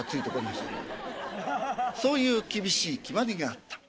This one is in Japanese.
そういう厳しい決まりがあった。